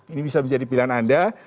ini bisa menjadi pilihan anda